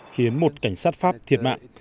khiến một cảnh sát pháp thiệt mạng